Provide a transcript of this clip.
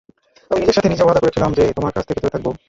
আমি নিজের সাথে নিজে ওয়াদা করেছিলাম যে তোমার কাছ থেকে দূরে থাকব।